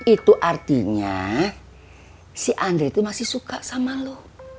itu artinya si andri itu masih suka sama lo